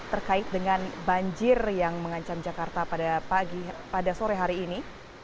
terkait dengan banjir yang mengancam jakarta pada sore hari ini